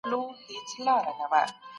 د عاید عادلانه وېش ټولنه هوسا کوي.